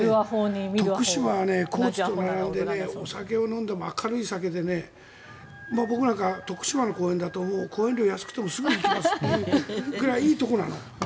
徳島は高知と並んでお酒を飲んでも明るい酒で僕なんか徳島の講演だと講演料安くても行きますというくらいいいところなの。